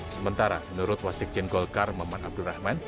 sementara menurut wassekjen golkar meman abdulrahman